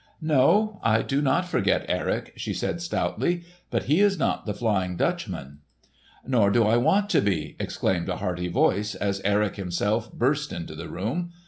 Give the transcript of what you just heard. "No, I do not forget Erik," she said stoutly, "but he is not the Flying Dutchman." "Nor do I want to be!" exclaimed a hearty voice, as Erik himself burst into the room.